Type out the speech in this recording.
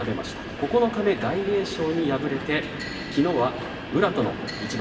九日目、大栄翔に敗れてきのうは宇良との一番。